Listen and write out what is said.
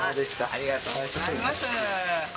ありがとうございます。